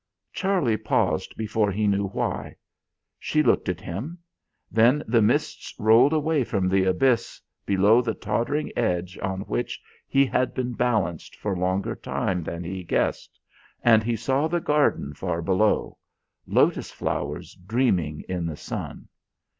Charlie paused before he knew why. She looked at him. Then the mists rolled away from the abyss below the tottering edge on which he had been balanced for longer time than he guessed, and he saw the garden far below; lotus flowers dreaming in the sun.